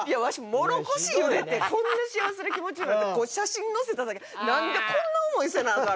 もろこし茹でてこんな幸せな気持ちになって写真載せただけでなんでこんな思いせなアカン。